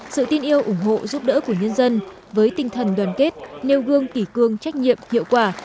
sự tin yêu ủng hộ giúp đỡ của nhân dân với tinh thần đoàn kết nêu gương kỷ cương trách nhiệm hiệu quả